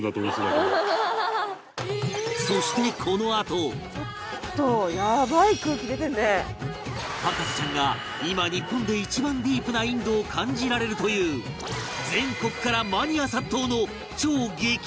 そして博士ちゃんが今日本で一番ディープなインドを感じられるという全国からマニア殺到の超激うま名店へ